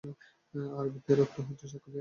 আরবিতে এর অর্থ "সাক্ষ্য দেয়া"।